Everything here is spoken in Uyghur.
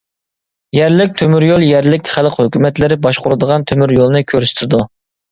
يەرلىك تۆمۈريول يەرلىك خەلق ھۆكۈمەتلىرى باشقۇرىدىغان تۆمۈريولنى كۆرسىتىدۇ.